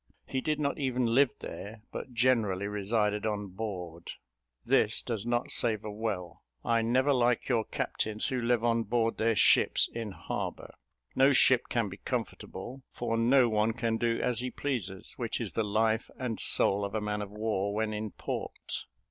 He did not even live there, but generally resided on board. This does not savour well; I never like your captains who live on board their ships in harbour; no ship can be comfortable, for no one can do as he pleases, which is the life and soul of a man of war, when in port.